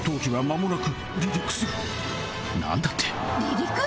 何だって？